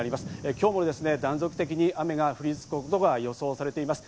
今日も断続的に雨が降り続くことが予想されています。